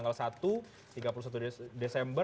tidak lupa itu tanggal satu tiga puluh satu desember